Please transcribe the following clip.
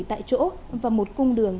tại chỗ và một cung đường